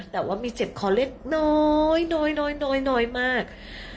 แต่ว่ามีเจ็บคอเล็กน้อยน้อยมาก